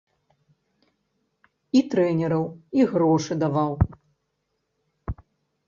І трэнераў, і грошы даваў.